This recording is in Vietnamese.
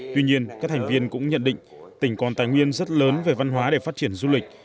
tuy nhiên các thành viên cũng nhận định tỉnh còn tài nguyên rất lớn về văn hóa để phát triển du lịch